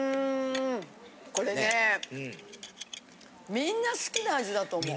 みんな好きな味だと思う。